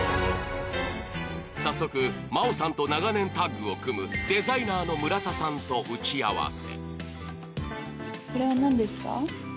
早速、真央さんと長年タッグを組むデザイナーの村田さんと打ち合わせ。